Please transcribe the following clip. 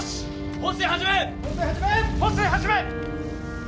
放水始め！